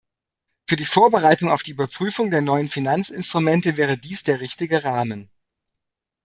Für die Vorbereitung auf die Überprüfung der neuen Finanzinstrumente wäre dies der richtige Rahmen.